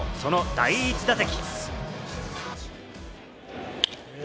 その第１打席。